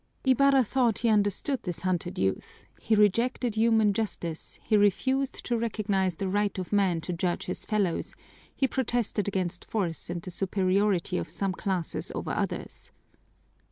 Ibarra thought he understood this hunted youth; he rejected human justice, he refused to recognize the right of man to judge his fellows, he protested against force and the superiority of some classes over others.